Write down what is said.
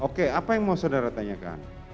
oke apa yang mau saudara tanyakan